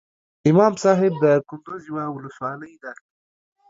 امام صاحب دکندوز یوه ولسوالۍ ده